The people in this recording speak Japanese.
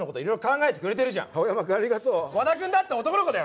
和田君だって男の子だよ